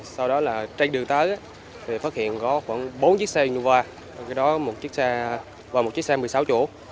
sau đó trên đường tàu thoát phát hiện có khoảng bốn chiếc xe nuva và một chiếc xe một mươi sáu chủ